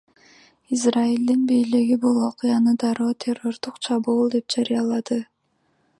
Израилдин бийлиги бул окуяны дароо террордук чабуул деп жарыялады.